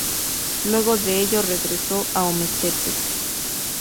Luego de ello regresó a Ometepec.